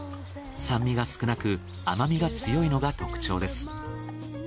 酸味が少なく甘みが強いのが特徴です。